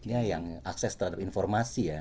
ya yang akses terhadap informasi ya